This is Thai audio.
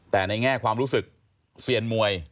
แต่ในแง่ความรู้สึกเซียนมวย